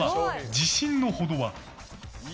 自信のほどは？